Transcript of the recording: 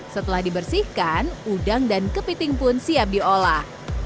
setelah dibersihkan udang dan kepiting pun siap diolah